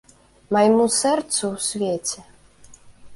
Майму сэрцу ў свеце.